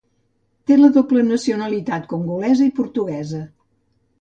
Té la doble nacionalitat congolesa i portuguesa.